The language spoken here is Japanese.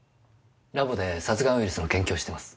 ラボで殺癌ウイルスの研究をしてます。